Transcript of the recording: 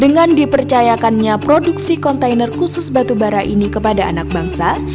dengan dipercayakannya produksi kontainer khusus batu bara ini kepada anak bangsa